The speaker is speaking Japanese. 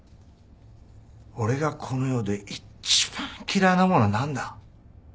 俺がこの世で一番嫌いなものは何だ？